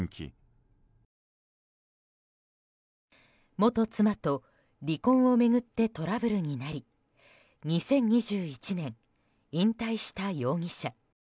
元妻と離婚を巡ってトラブルになり２０２１年、引退した容疑者。